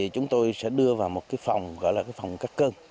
chúng tôi sẽ đưa vào một phòng gọi là phòng cắt cơn